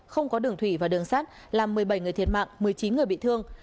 không có đường thủy và đường sát làm một mươi bảy người thiệt mạng một mươi chín người bị thương